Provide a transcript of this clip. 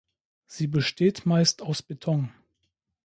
Sie besteht meist aus Beton.